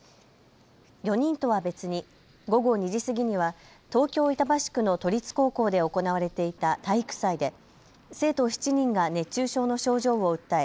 ４人とは別に午後２時過ぎには東京板橋区の都立高校で行われていた体育祭で生徒７人が熱中症の症状を訴え